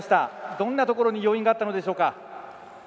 どんなところに要因があったのでしょうか。